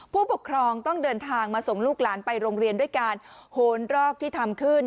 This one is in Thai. ผู้ปกครองต้องเดินทางมาส่งลูกหลานไปโรงเรียนด้วยการโหนรอกที่ทำขึ้น